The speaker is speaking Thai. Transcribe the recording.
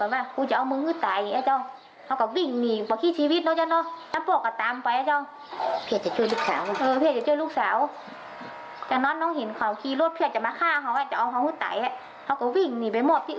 แล้วน้องก็มาเห็นอะไรอย่างนี้